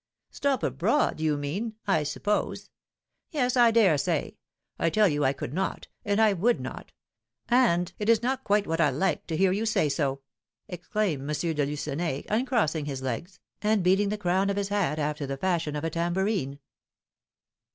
"Stop abroad, you mean, I suppose; yes, I dare say. I tell you I could not, and I would not; and it is not quite what I like, to hear you say so!" exclaimed M. de Lucenay, uncrossing his legs, and beating the crown of his hat after the fashion of a tambourine.